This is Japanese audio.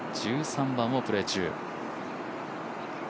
１３番をプレー中。